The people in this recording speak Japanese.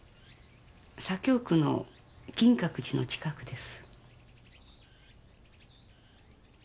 左京区の銀閣寺の近くです。